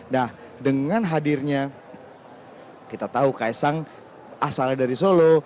nah dengan hadirnya kita tahu kaisang asalnya dari solo